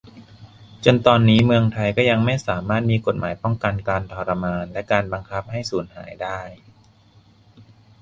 จนตอนนี้ เมืองไทยก็ยังไม่สามารถมีกฎหมายป้องกันการทรมานและการบังคับให้สูญหายได้